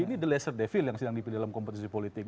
ini the laser defill yang sedang dipilih dalam kompetisi politik